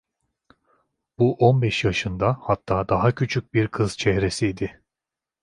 Bu, on beş yaşında, hatta daha küçük bir kız çehresiydi.